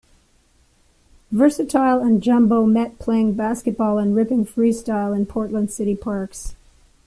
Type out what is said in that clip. Vursatyl and Jumbo met playing basketball and ripping free-style in Portland city parks.